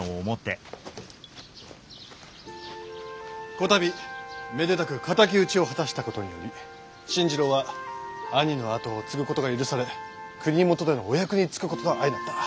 こたびめでたく敵討ちを果たしたことにより新二郎は兄の後を継ぐことが許され国元でのお役に就くことと相成った。